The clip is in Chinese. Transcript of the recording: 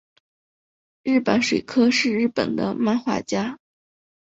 日坂水柯是日本的漫画家。